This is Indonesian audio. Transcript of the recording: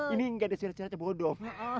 ini enggak ada cerita bodoh